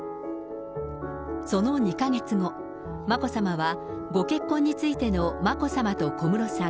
その２か月後、眞子さまはご結婚についての眞子さまと小室さん